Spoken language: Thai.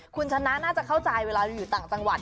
คุณชนะน่าจะเข้าใจเวลาอยู่ต่างจังหวัด